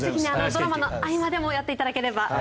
ドラマの合間でもやっていただければ。